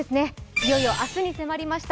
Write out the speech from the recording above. いよいよ明日に迫りました